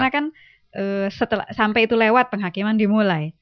ya karena kan sampai itu lewat penghakiman dimulai